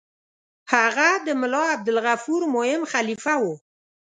هغه د ملا عبدالغفور مهم خلیفه وو.